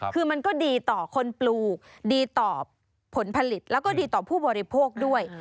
คือมันก็ดีต่อคนปลูกดีต่อผลผลิตแล้วก็ดีต่อผู้บริโภคด้วย